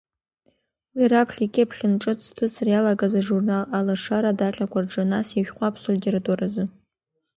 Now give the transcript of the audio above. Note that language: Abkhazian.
Уи раԥхьа икьыԥхьын ҿыц зҭыҵра иалагаз ажурнал Алашара адаҟьақәа рҿы нас ишәҟәы Аԥсуа литературазы.